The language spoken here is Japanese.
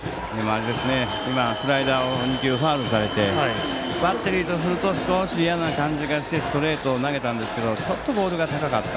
スライダーを２球ファウルされてバッテリーとすると少し嫌な感じがしてストレートを投げたんですがちょっとボールが高かった。